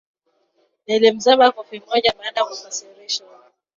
Nilimzaba kofi moja baada ya kukasirishwa.